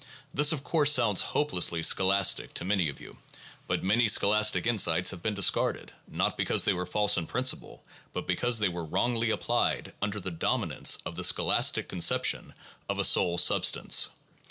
This of course sounds hopelessly scholastic to many of you, but many scholastic insights have been discarded, not because they were false in principle but because they were wrongly applied under the dominance of the scholastic conception of a soul substance.